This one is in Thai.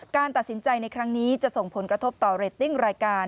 การตัดสินใจในครั้งนี้จะส่งผลกระทบต่อเรตติ้งรายการ